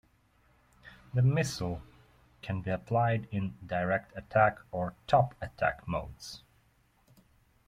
The missile can be applied in direct attack or top-attack modes.